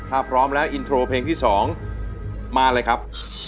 ถ้าพร้อมแล้วอินโทรเพลงที่๒มาเลยครับ